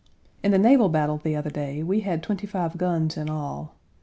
In the naval battle the other day we had twenty five guns in all.